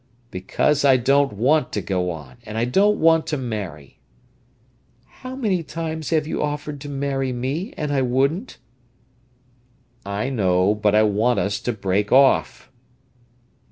"Because I don't want to go on—and I don't want to marry." "How many times have you offered to marry me, and I wouldn't?" "I know; but I want us to break off."